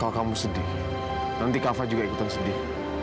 nanti kau sedih nanti kak fah juga ikutan sedih